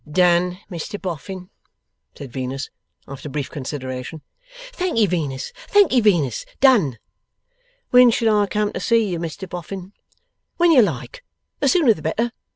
'Done, Mr Boffin!' said Venus, after brief consideration. 'Thank'ee, Venus, thank'ee, Venus! Done!' 'When shall I come to see you, Mr Boffin.' 'When you like. The sooner the better.